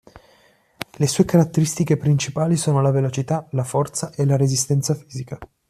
Le sue caratteristiche principali sono la velocità, la forza e la resistenza fisica.